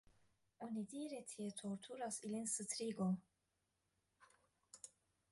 Onidire tie torturas ilin strigo.